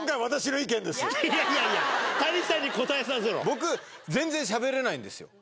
僕全然しゃべれないんですよ。